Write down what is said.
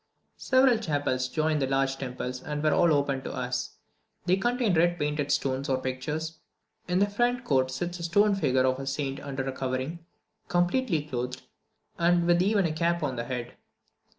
Several chapels join the large temple, and were all opened to us. They contained red painted stones or pictures. In the front court sits a stone figure of a saint under a covering, completely clothed, and with even a cap on the head.